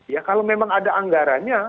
ya kalau memang ada anggarannya